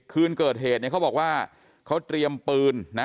คืนเกิดเหตุเนี่ยเขาบอกว่าเขาเตรียมปืนนะ